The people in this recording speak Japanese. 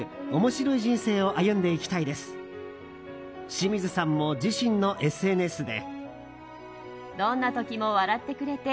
清水さんも自身のＳＮＳで。